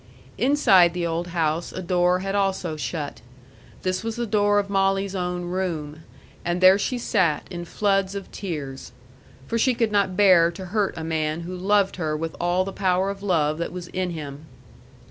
Inside the old house a door had also shut. This was the door of Molly's own room. And there she sat, in floods of tears. For she could not bear to hurt a man who loved her with all the power of love that was in him.